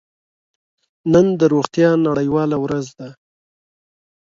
نن د روغتیا نړیواله ورځ ده.